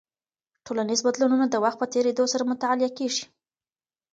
ټولنیز بدلونونه د وخت په تېرېدو سره مطالعه کیږي.